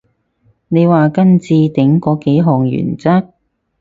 你話跟置頂嗰幾項原則？